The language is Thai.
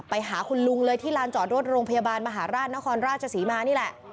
ไปหาคุณลุงเลยที่ลานจอดรถโรงพยาบาลมหาราชนครราชศรีมานี่แหละ